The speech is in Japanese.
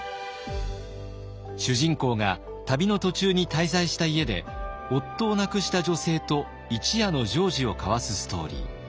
主人公が旅の途中に滞在した家で夫を亡くした女性と一夜の情事を交わすストーリー。